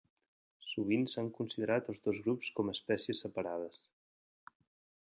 Sovint s'han considerat els dos grups com espècies separades.